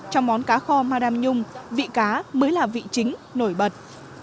trong món cá kho ma đam nhung vị cá mới là vị chính nổi bật